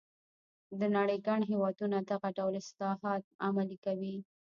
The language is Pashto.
د نړۍ ګڼ هېوادونه دغه ډول اصلاحات عملي کوي.